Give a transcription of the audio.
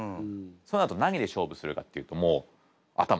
そうなると何で勝負するかっていうともう頭。